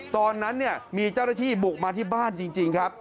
ตอนนั้นเนี่ยมีเจ้าหน้าที่บุกมาที่บ้านจริงครับ